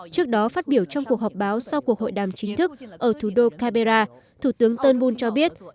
trước đó phát biểu trong cuộc họp báo sau cuộc hội đàm chính thức ở thủ đô khybera thủ tướng tân buôn cho biết